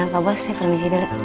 pak bos saya permisi dulu